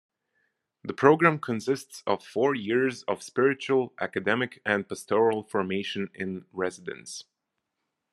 The program consists of four years of spiritual, academic and pastoral formation in residence.